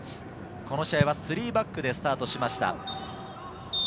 この試合は３バックでスタートしました。